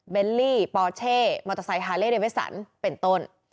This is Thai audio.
ลี่ปอเช่มอเตอร์ไซค์ฮาเล่เดเวสันเป็นต้น